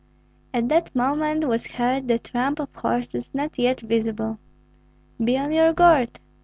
At that moment was heard the tramp of horses not yet visible. "Be on your guard!"